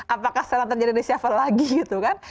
apakah sekarang terjadi reshuffle lagi gitu kan